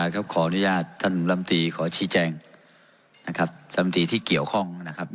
กลับเรียน